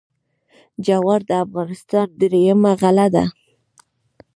جوار د افغانستان درېیمه غله ده.